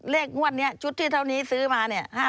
งวดนี้ชุดที่เท่านี้ซื้อมาเนี่ย